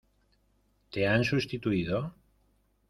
¿ Te han sustituido?